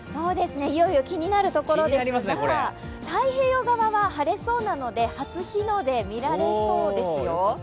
いよいよ気になるところですが太平洋側は晴れそうなので初日の出、見られそうですよ。